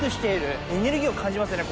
エネルギーを感じますね